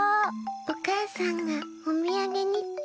おかあさんがおみやげにって。